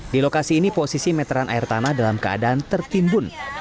di lokasi ini posisi meteran air tanah dalam keadaan tertimbun